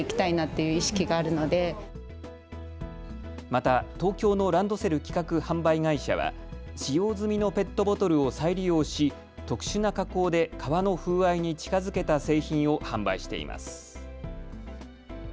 また東京のランドセル企画・販売会社は使用済みのペットボトルを再利用し特殊な加工で革の風合いに近づけた製品を販売しています。